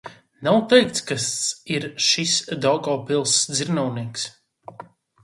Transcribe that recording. "Nav teikts, kas ir šis "Daugavpils dzirnavnieks"."